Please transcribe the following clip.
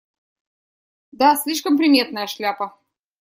Да, слишком приметная шляпа.